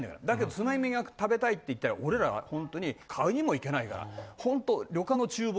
だけどつまみが食べたいって言ったら俺らは本当に買いにも行けないから本当。